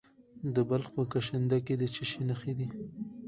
د بلخ په کشنده کې د څه شي نښې دي؟